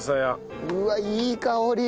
うわあいい香り！